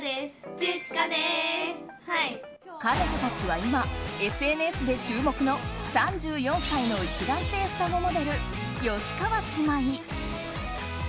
彼女たちは今ＳＮＳで注目の３４歳の一卵性双子モデル吉川姉妹。